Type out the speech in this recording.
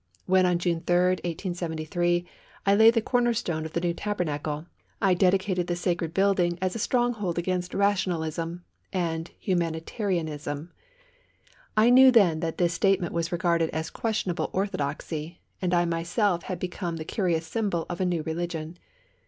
When, on June 3, 1873, I laid the corner stone of the new tabernacle, I dedicated the sacred building as a stronghold against rationalism and humanitarianism. I knew then that this statement was regarded as questionable orthodoxy, and I myself had become the curious symbol of a new religion.